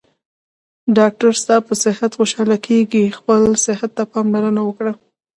ډاکټر ستاپه صحت خوشحاله کیږي خپل صحته پاملرنه وکړه